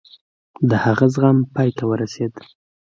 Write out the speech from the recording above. د هغه زغم پای ته ورسېد.